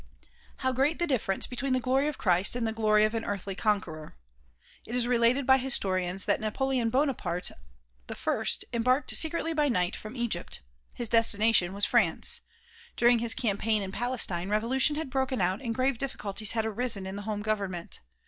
How great the difference between the glory of Christ and the glory of an earthly conqueror! It is related by historians that Napoleon Bonaparte I embarked secretly by night from Egypt. 205 206 THE PROMULGATION OF UNIVERSAL PEACE His destination was France. During his campaign in Palestine revolution had broken out and grave difficulties had arisen in the home government.